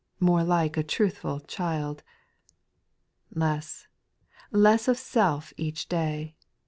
More like a truthful child. 8. Less, less of self each day.